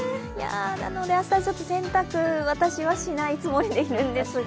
なので明日、洗濯は私はしない気持ちでいるんですが。